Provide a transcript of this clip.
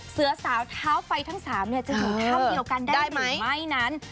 เสือสาวเท้าไฟทั้ง๓จะอยู่ถ้ำเดียวกันได้หรือไม่นั้น